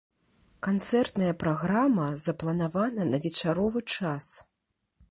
Канцэртная праграма запланавана на вечаровы час.